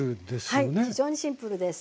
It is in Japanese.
非常にシンプルです。